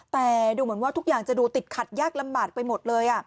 แต่ดูเหมือนว่าทุกอย่างจะดูติดขัดยากลำบากไปหมดเลย